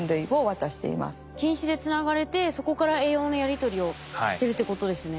菌糸でつながれてそこから栄養のやり取りをしてるってことですね。